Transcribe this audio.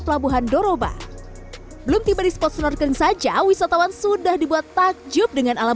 pelabuhan doroba belum tiba di spot snorkeling saja wisatawan sudah dibuat takjub dengan alam